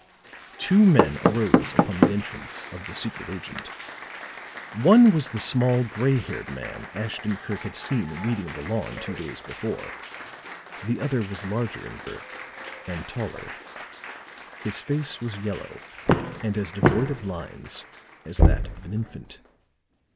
Two men arose upon the entrance of the secret agent. One was the small gray haired man Ashton Kirk had seen weeding the lawn two days before; the other was larger in girth and taller; his face was yellow and as devoid of lines as that of an infant.